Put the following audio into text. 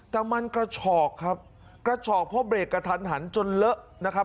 แต่มันกระฉอกครับกระฉอกเพราะเบรกกระทันหันจนเลอะนะครับ